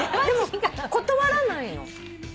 でも断らないの？